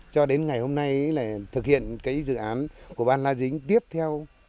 cho đến ngày hôm nay là thực hiện dự án của ban lá dính tiếp theo